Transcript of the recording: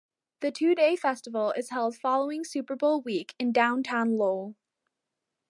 The two-day festival is held following Super Bowl week in downtown Lowell.